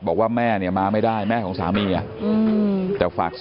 ลูกชายวัย๑๘ขวบบวชหน้าไฟให้กับพุ่งชนจนเสียชีวิตแล้วนะครับ